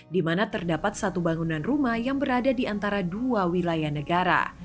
di mana terdapat satu bangunan rumah yang berada di antara dua wilayah negara